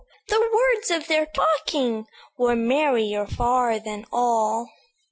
the words of their talking Were merrier far than all."